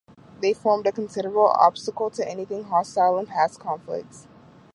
They formed a considerable obstacle to anything hostile in past conflicts.